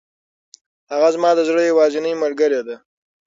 هغه زما د زړه یوازینۍ ملګرې ده.